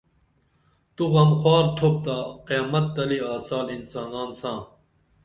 تو غم خوار تُھپتا قیامت تلی آڅال انسانان ساں